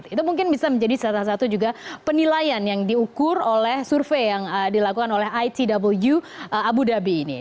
itu mungkin bisa menjadi salah satu juga penilaian yang diukur oleh survei yang dilakukan oleh itw abu dhabi ini